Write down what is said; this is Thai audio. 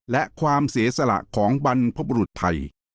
และความเสียสละของบรรพบรุษไทย